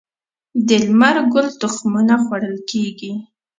د لمر ګل تخمونه خوړل کیږي